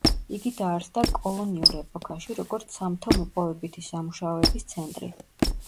იგი დაარსდა კოლონიურ ეპოქაში, როგორც სამთო-მოპოვებითი სამუშაოების ცენტრი.